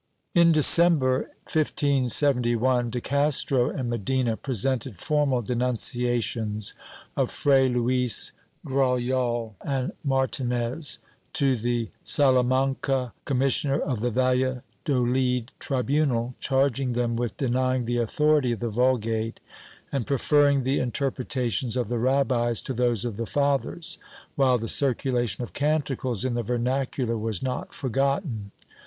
In December 1571, de Castro and Medina presented formal denunciations of Fray Luis, Grajal and Martinez, to the Salamanca commissioner of the Valladolid tribunal, charging them with denying the authority of the Vulgate and preferring the interpre tations of the rabbis to those of the fathers, while the circulation of Canticles in the vernacular was not forgotten.